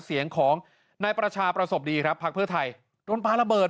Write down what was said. เสียงของนายประชาประสบดีครับพักเพื่อไทยโดนปลาระเบิด